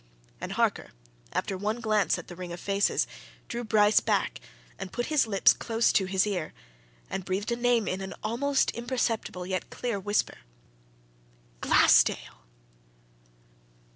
And Harker, after one glance at the ring of faces, drew Bryce back and put his lips close to his ear and breathed a name in an almost imperceptible yet clear whisper. "Glassdale!"